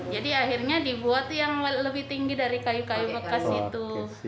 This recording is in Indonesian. jadi akhirnya dibuat yang lebih tinggi dari kayu kayu bekas itu